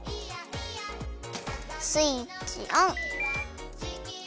スイッチオン！